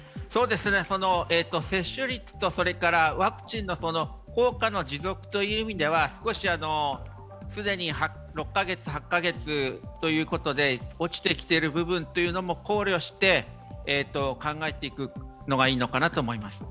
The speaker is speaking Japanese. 接種率とワクチンの効果の持続という意味では少し、既に６カ月、８カ月ということで落ちてきてる部分というのも考慮して考えていくのがいいのかなと思います。